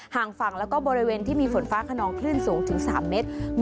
ห่างฝั่งแล้วก็บริเวณที่มีฝนฟ้าขนองคลื่นสูงถึง๓เมตร